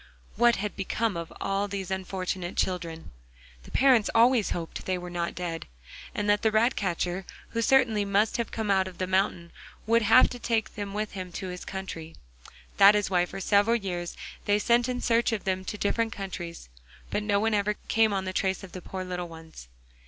What had become of all these unfortunate children? The parents always hoped they were not dead, and that the rat catcher, who certainly must have come out of the mountain, would have taken them with him to his country. That is why for several years they sent in search of them to different countries, but no one ever came on the trace of the poor little ones.